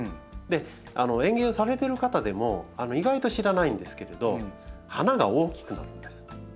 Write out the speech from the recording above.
園芸をされてる方でも意外と知らないんですけれど花が大きくなるんです。